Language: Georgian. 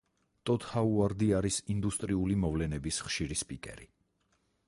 ტოდ ჰაუარდი არის ინდუსტრიული მოვლენების ხშირი სპიკერი.